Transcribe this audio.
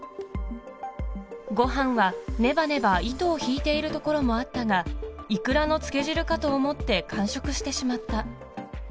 ごはんはねばねば糸を引いている所もあったが、イクラの漬け汁かと思って完食してしまった。